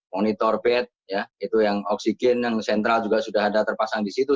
monitor bed oksigen yang sentral juga sudah ada terpasang di situ